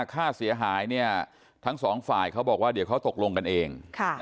ค่าเสียหายเนี่ยทั้งสองฝ่ายเขาบอกว่าเดี๋ยวเขาตกลงกันเอง